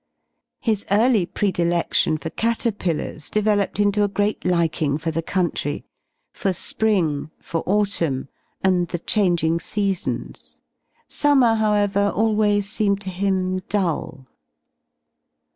His early prediledion for caterpillars developed into a great liking for the country, for spring, for autumn, and the changing seasons. Summer, howev er, always seemed to him dull.